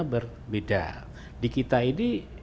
berbeda di kita ini